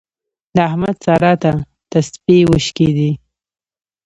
د احمد سارا ته تسپې وشکېدې.